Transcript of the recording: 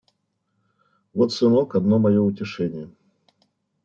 Вот сынок, одно мое утешение.